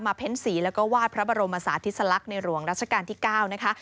เพ้นสีแล้วก็วาดพระบรมศาสติสลักษณ์ในหลวงรัชกาลที่๙นะคะ